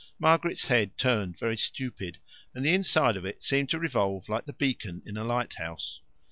Margaret's head turned very stupid, and the inside of it seemed to revolve like the beacon in a lighthouse.